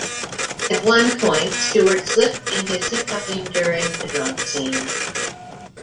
At one point, Stewart slipped in his hiccuping during the drunk scene.